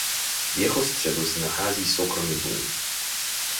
V jeho středu se nachází soukromý dům.